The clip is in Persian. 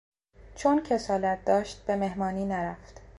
چون کسالت داشت به مهمانی نرفت.